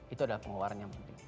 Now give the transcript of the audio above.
itu adalah pengeluaran yang penting